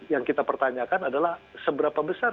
yang kita pertanyakan adalah seberapa besar